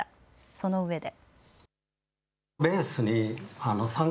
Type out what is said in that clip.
そのうえで。